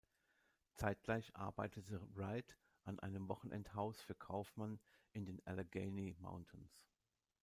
Zeitgleich arbeitete Wright an einem Wochenendhaus für Kaufmann in den Allegheny Mountains.